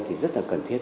thì rất là cần thiết